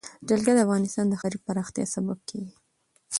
جلګه د افغانستان د ښاري پراختیا سبب کېږي.